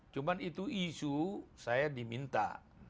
cuma itu isu saya diminta